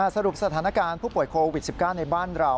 สรุปสถานการณ์ผู้ป่วยโควิด๑๙ในบ้านเรา